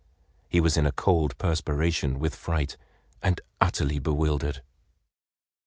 He was in a cold perspiration with fright, and utterly bewildered.